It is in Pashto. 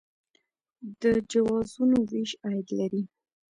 د جوازونو ویش عاید لري